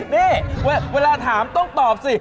นี่เวลาถามต้องตอบสิ